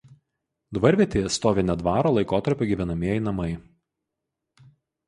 Dvarvietėje stovi ne dvaro laikotarpio gyvenamieji namai.